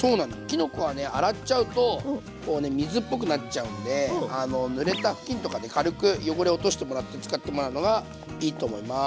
きのこはね洗っちゃうとこうね水っぽくなっちゃうんでぬれた布巾とかで軽く汚れを落としてもらって使ってもらうのがいいと思います。